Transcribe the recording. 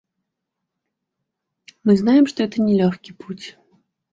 Мы знаем, что это не легкий путь.